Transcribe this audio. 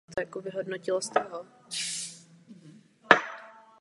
Doktor Hallemeier, přednosta ústavu pro psychologii a výchovu Robotů.